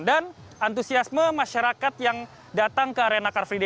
dan antusiasme masyarakat yang datang ke arena car free day